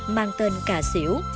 mang tên cà xỉu